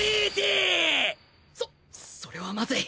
そっそれはまずい。